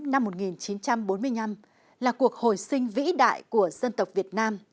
năm một nghìn chín trăm bốn mươi năm là cuộc hồi sinh vĩ đại của dân tộc việt nam